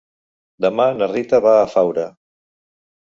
Demà na Rita va a Faura.